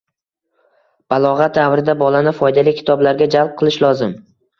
Balog'at davrida bolani foydali kitoblarga jalb qilish lozim